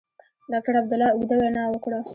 ډاکټر عبدالله اوږده وینا وکړه.